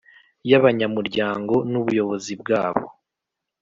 y abanyamuryango n Ubuyobozi bwabo